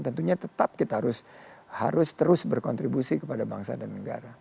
tentunya tetap kita harus terus berkontribusi kepada bangsa dan negara